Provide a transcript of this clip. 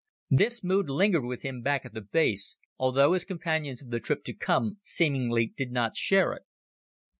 This mood lingered with him back at the base, although his companions of the trip to come seemingly did not share it.